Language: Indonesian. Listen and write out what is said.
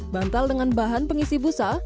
bantal dengan bahan pengisi busa